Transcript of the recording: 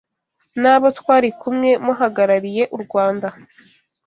nabo twari kumwe muhagarariye u Rwanda